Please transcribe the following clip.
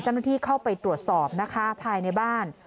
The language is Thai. เจ้าหน้าที่เข้าไปตรวจสอบนะคะภายในบ้าน